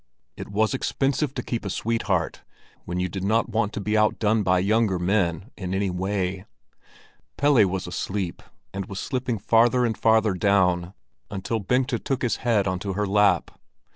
It was expensive to keep a sweetheart when you did not want to be outdone by younger men in any way. Pelle was asleep, and was slipping farther and farther down until Bengta took his head onto her lap.